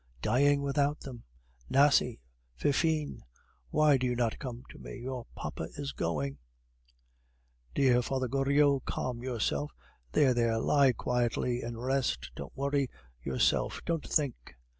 Dying without them!... Nasie! Fifine! Why do you not come to me? Your papa is going " "Dear Father Goriot, calm yourself. There, there, lie quietly and rest; don't worry yourself, don't think."